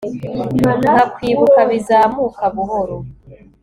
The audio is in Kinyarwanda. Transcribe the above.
Nka kwibuka bizamuka buhoro